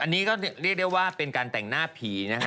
อันนี้ก็เรียกได้ว่าเป็นการแต่งหน้าผีนะคะ